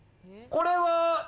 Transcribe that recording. これは。